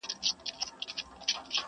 دا لومي د شیطان دي، وسوسې دي چي راځي!.